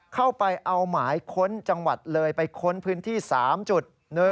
เข้าไปเอาหมายค้นจังหวัดเลยไปค้นพื้นที่๓จุด